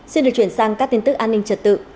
xin được chuyển sang các tin tức an ninh trật tự